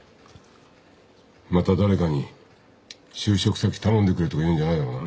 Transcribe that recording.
また誰かに就職先頼んでくれとか言うんじゃないだろうな。